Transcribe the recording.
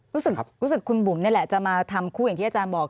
รู้สึกคุณบุ๋มนี่แหละจะมาทำคู่อย่างที่อาจารย์บอก